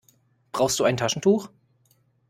Brauchst du ein Taschentuch?